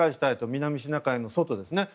南シナ海の外ですね。